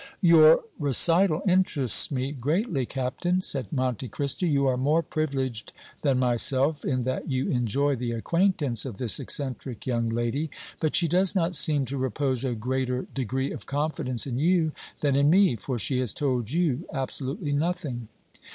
"Your recital interests me greatly, Captain," said Monte Cristo. "You are more privileged than myself in that you enjoy the acquaintance of this eccentric young lady, but she does not seem to repose a greater degree of confidence in you than in me, for she has told you absolutely nothing."